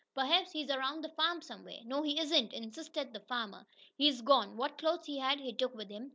Perhaps he is around the farm somewhere." "No, he isn't!" insisted the farmer. "He's gone. What clothes he had he took with him.